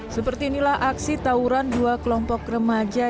seperti inilah aksi tawuran dua kelompok remaja